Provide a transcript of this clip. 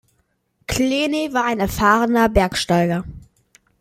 Kleene war ein erfahrener Bergsteiger.